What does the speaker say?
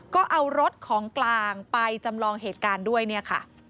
ก็เอารถของกลางไปจำลองเหตุการณ์ด้วย